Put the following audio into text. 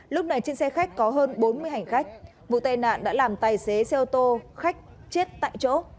lúc này trên xe khách có hơn bốn mươi hành khách vụ tai nạn đã làm tài xế xe ô tô khách chết tại chỗ